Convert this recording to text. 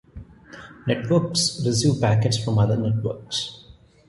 Networks receive packets from other networks.